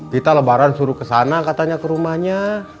kita lebaran suruh ke sana katanya ke rumahnya